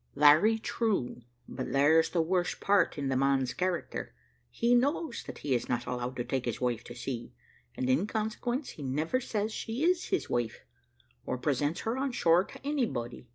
"Very true, but there's the worst part in the man's character: he knows that he is not allowed to take his wife to sea, and, in consequence, he never says she is his wife, or presents her on shore to anybody.